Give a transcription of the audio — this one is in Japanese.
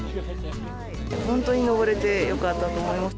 本当に登れてよかったと思います。